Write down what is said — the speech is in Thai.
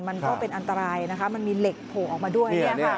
มันก็อันตรายก็มีเหล็กโผยออกมาด้วย